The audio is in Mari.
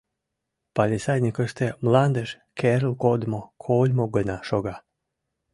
Палисадникыште мландыш керыл кодымо кольмо гына шога.